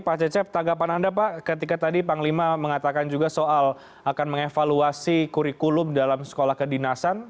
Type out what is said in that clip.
pak cecep tanggapan anda pak ketika tadi panglima mengatakan juga soal akan mengevaluasi kurikulum dalam sekolah kedinasan